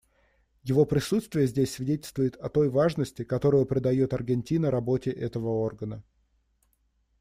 Его присутствие здесь свидетельствует о той важности, которую придает Аргентина работе этого органа.